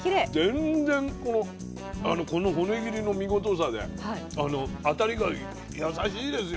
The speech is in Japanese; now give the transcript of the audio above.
全然この骨切りの見事さで当たりが優しいですよ。